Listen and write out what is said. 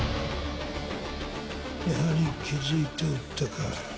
やはり気付いておったか。